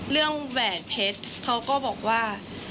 เรื่องแหวนเพชรเขาก็บอกว่า